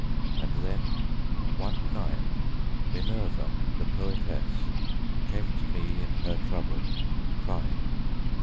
And then one night, Minerva, the poetess, Came to me in her trouble, crying.